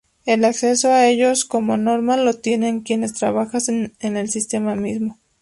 El acceso a ellos, como norma, lo tienen, quienes trabajan en el sistema mismo.